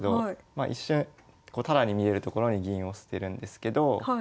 一瞬タダに見えるところに銀を捨てるんですけど。